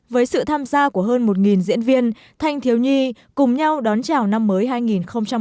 với sự tham gia của hơn một diễn viên thanh thiếu nhi cùng nhau đón chào năm mới hai nghìn hai mươi